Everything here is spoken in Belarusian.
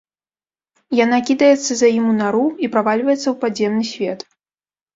Яна кідаецца за ім у нару і правальваецца ў падземны свет.